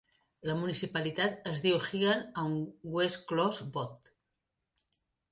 La municipalitat es diu "Higham" amb "West Close Booth".